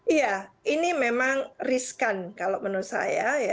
iya ini memang riskan kalau menurut saya